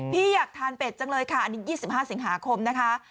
พี่อยากทานเป็ดจังเลยค่ะอันนี้ยี่สิบห้าสิงหาคมนะคะ